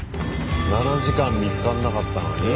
７時間見つかんなかったのに？